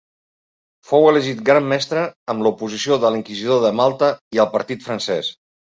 Fou elegit Gran Mestre amb l'oposició de l'inquisidor de Malta i el partit francès.